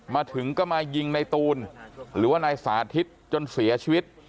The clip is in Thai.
มาถึงก็มายิงในตูนหรือว่านายสาธิตจนเสียชีวิต